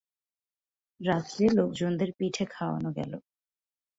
রাত্রে লোকজনদের পিঠে খাওয়ানো গেল।